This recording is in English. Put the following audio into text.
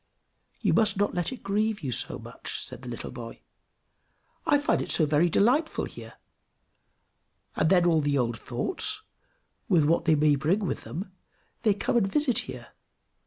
"You must not let it grieve you so much," said the little boy. "I find it so very delightful here, and then all the old thoughts, with what they may bring with them, they come and visit here."